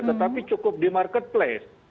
tetapi cukup di marketplace